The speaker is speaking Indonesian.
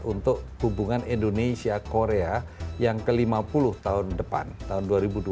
untuk hubungan indonesia korea yang ke lima puluh tahun depan tahun dua ribu dua puluh